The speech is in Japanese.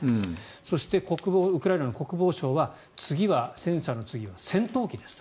そして、ウクライナの国防省は戦車の次は戦闘機です。